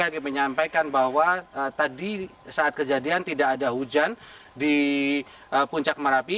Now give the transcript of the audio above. saya menyampaikan bahwa tadi saat kejadian tidak ada hujan di puncak merapi